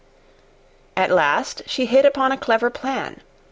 At last she hit upon a clever plan.